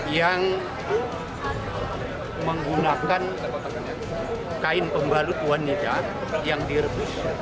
yang menggunakan kain pembalut wanita yang direbus